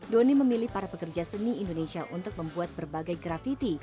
doni memilih para pekerja seni indonesia untuk membuat berbagai grafiti